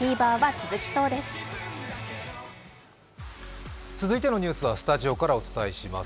続いてのニュースはスタジオからお伝えします。